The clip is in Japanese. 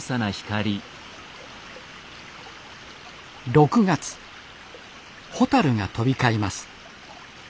６月ホタルが飛び交います。